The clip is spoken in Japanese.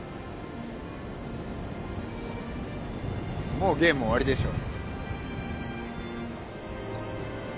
もうゲーム終わりでしょ。